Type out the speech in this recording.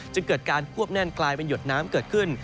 จึงเกิดการควบแน่นกลายเป็นหยดน้ำเกิดขึ้น